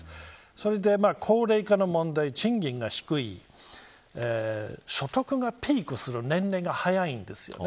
そして高齢化の問題賃金が低い所得がピークする年齢が早いんですよね。